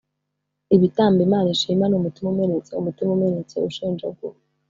“ibitambo imana ishima ni umutima umenetse, umutima umenetse ushenjaguwe,